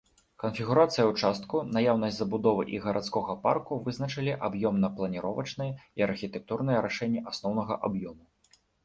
Канфігурацыя ўчастку, наяўнасць забудовы і гарадскога парку вызначылі аб'ёмна-планіровачнае і архітэктурнае рашэнне асноўнага аб'ёму.